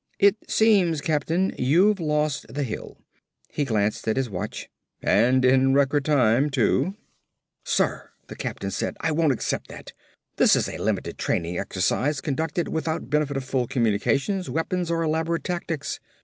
"It seems, captain, you've lost the hill." He glanced at his watch. "And in record time, too." "Sir," the captain said, "I won't accept that. This is a limited training exercise conducted without benefit of full communications, weapons or elaborate tactics.